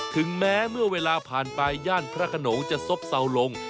ถึงแม้เมื่อเวลาผ่านไปย่านพระขนงจะซบเศร้าลง